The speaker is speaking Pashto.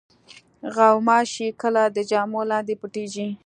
غوماشې کله د جامو لاندې پټېږي.